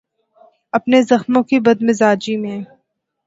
اپنے زخموں کی بد مزاجی میں